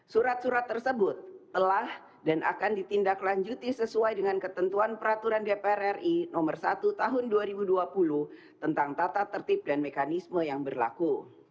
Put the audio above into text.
surat surat tersebut telah dan akan ditindaklanjuti sesuai dengan ketentuan peraturan dpr ri no satu tahun dua ribu dua puluh tentang tata tertib dan mekanisme yang berlaku